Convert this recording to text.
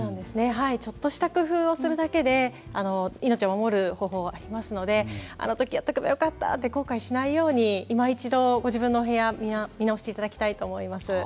ちょっとした工夫をするだけで命を守る方法はありますのであの時やっとけばよかったと後悔しないようにいま一度、ご自分のお部屋見直していただきたいと思います。